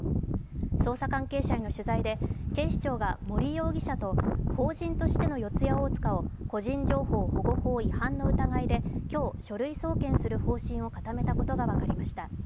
捜査関係者への取材で警視庁が森容疑者と法人としての四谷大塚を個人情報保護法違反の疑いで今日、書類送検する方針を固めたことが分かりました。